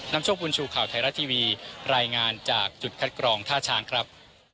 โชคบุญชูข่าวไทยรัฐทีวีรายงานจากจุดคัดกรองท่าช้างครับ